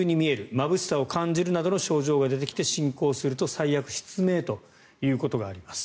まぶしさを感じるなどの症状が出てきて進行すると最悪失明ということがあります。